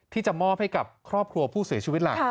ที่จะมอบให้กับครอบครัวผู้เสียชีวิตล่ะ